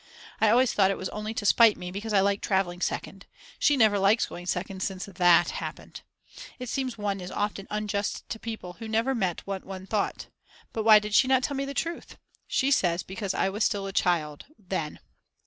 I always thought it was only to spite me because I like travelling second. She never likes going second since that happened. It seems one is often unjust to people who never meant what one thought. But why did she not tell me the truth? She says because I was still a child then.